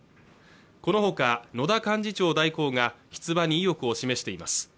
このほか野田幹事長代行が出馬に意欲を示しています